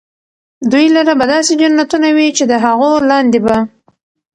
دوى لره به داسي جنتونه وي چي د هغو لاندي به